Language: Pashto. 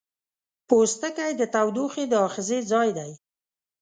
پوستکی د تودوخې د آخذې ځای دی.